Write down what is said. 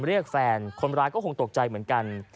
เรียกแฟนคนร้ายก็คงตกใจเหมือนกัน